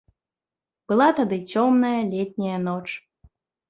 Была тады цёмная летняя ноч.